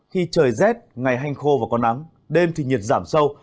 khi trời rét ngày hanh khô và có nắng đêm thì nhiệt giảm sâu